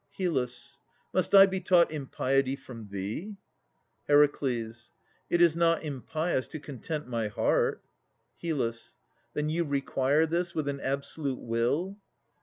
HYL. Must I be taught impiety from thee? HER. It is not impious to content my heart. HYL. Then you require this with an absolute will?